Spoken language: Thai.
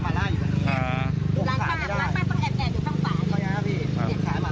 มันก็เลยกลายเป็นว่าเหมือนกับยกพวกมาตีกัน